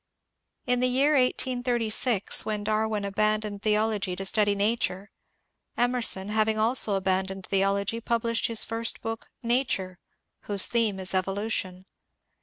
In the year (1836) when Darwin abandoned theology to study nature, Emerson, having also abandoned theology, published his first book, *^ Nature," whose theme is Evolution.